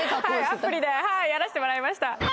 アプリではいやらしてもらいました